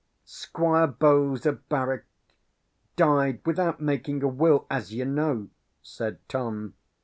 "Squire Bowes of Barwyke died without making a will, as you know," said Tom.